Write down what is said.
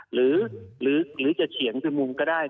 หรือจะเฉียงชุมนุมก็ได้